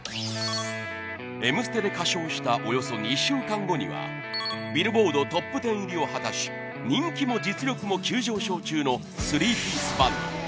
『Ｍステ』で歌唱したおよそ２週間後にはＢｉｌｌｂｏａｒｄトップ１０入りを果たし人気も実力も急上昇中の３ピースバンド。